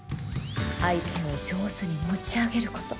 相手を上手に持ち上げること。